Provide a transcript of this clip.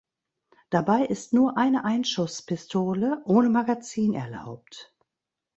Dabei ist nur eine Einschusspistole ohne Magazin erlaubt.